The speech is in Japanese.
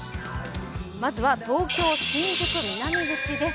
まずは東京・新宿南口です。